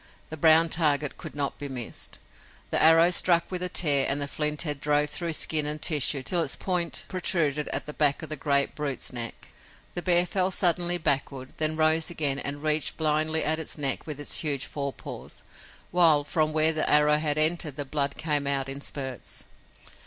The brown target could not be missed. The arrow struck with a tear and the flint head drove through skin and tissue till its point protruded at the back of the great brute's neck. The bear fell suddenly backward, then rose again and reached blindly at its neck with its huge fore paws, while from where the arrow had entered the blood came out in spurts.